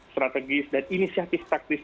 strategis dan inisiatif taktif